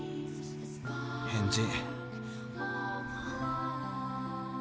返事。